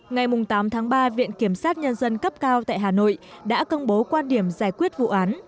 ngày tám tháng ba viện kiểm sát nhân dân cấp cao tại hà nội đã công bố quan điểm giải quyết vụ án